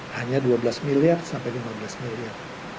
hanya dua belas miliar sampai lima belas miliar